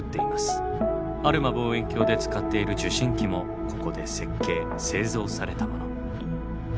アルマ望遠鏡で使っている受信機もここで設計製造されたもの。